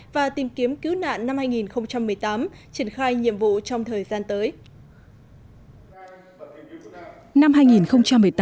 và tìm kiếm cứu nạn năm hai nghìn một mươi tám triển khai nhiệm vụ trong thời gian tới